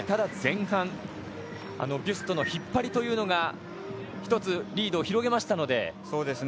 前半ビュストの引っ張りというのが１つ、リードを広げましたので。